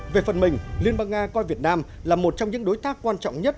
về phần mình liên bang nga coi việt nam là một trong những đối tác quan trọng nhất